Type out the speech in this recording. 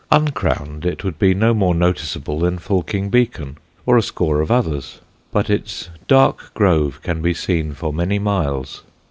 Uncrowned it would be no more noticeable than Fulking Beacon or a score of others; but its dark grove can be seen for many miles.